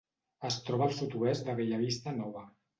Es troba al sud-oest de Bellavista Nova.